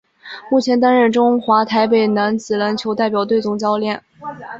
目前担任中华台北男子篮球代表队总教练。